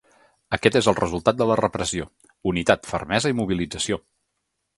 Aquest és el resultat de la repressió: unitat, fermesa i mobilització!